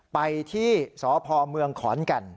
ไปที่สพเมืองขอนแก่น